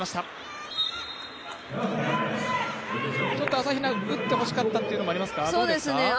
朝比奈に打ってほしかったというのがありますか？